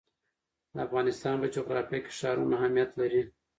د افغانستان په جغرافیه کې ښارونه اهمیت لري.